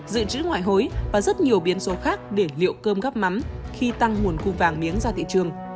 dự trữ ngoại hối và rất nhiều biến số khác để liệu cơm góc mắm khi tăng nguồn cung vàng miếng ra thị trường